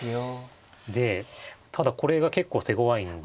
でただこれが結構手ごわいんですよ。